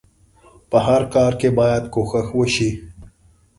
په هر کار کې بايد کوښښ وشئ.